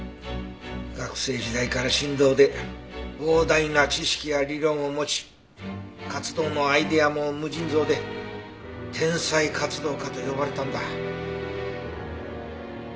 学生時代から神童で膨大な知識や理論を持ち活動のアイデアも無尽蔵で天才活動家と呼ばれたんだ。